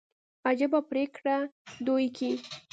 عجبه پرېکړي دوى کيي.